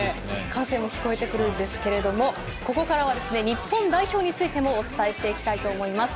歓声も聞こえてくるんですがここからは日本代表についてもお伝えしていきたいと思います。